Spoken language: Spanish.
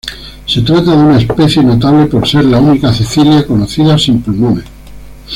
Se trata de una especie notable por ser la única cecilia conocida sin pulmones.